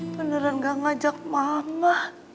beneran nggak ngajak mama